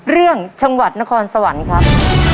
เรื่องจังหวัดนครสวรรค์ครับ